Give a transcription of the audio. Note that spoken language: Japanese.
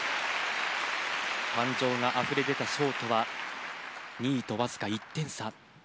感情があふれ出たショートは２位とわずか１点差。